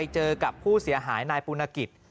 เจอกับผู้เสียหายนายปุณกิจ